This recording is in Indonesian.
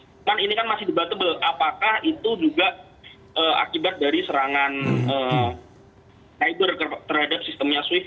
cuman ini kan masih debatable apakah itu juga akibat dari serangan cyber terhadap sistemnya swift